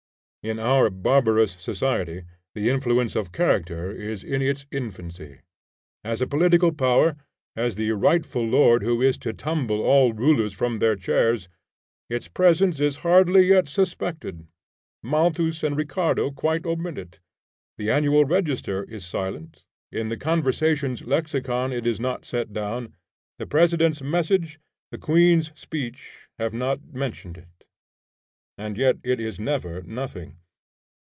In our barbarous society the influence of character is in its infancy. As a political power, as the rightful lord who is to tumble all rulers from their chairs, its presence is hardly yet suspected. Malthus and Ricardo quite omit it; the Annual Register is silent; in the Conversations' Lexicon it is not set down; the President's Message, the Queen's Speech, have not mentioned it; and yet it is never nothing.